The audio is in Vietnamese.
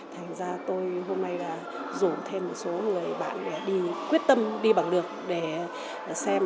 thành ra tôi hôm nay là rủ thêm một số người bạn để đi quyết tâm đi bằng được để xem